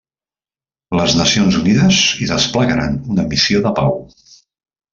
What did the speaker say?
Les Nacions Unides hi desplegaren una missió de pau.